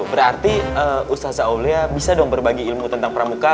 berarti ustaza aulia bisa dong berbagi ilmu tentang pramuka